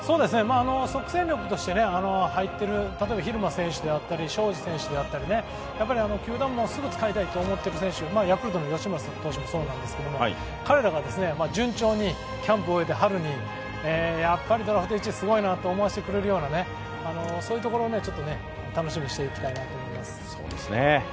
即戦力として入っている例えば蛭間選手であったり荘司選手であったり、球団もすぐ使いたいと思ってる選手、ヤクルトの吉村投手もそうなんですけど、彼らが順調にキャンプを終えて、春にやっぱりドラフト１位はすごいなと思わせてくれるようなところを楽しみにしていきたいなと思います。